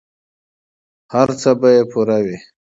هر څه به یې پوره وي.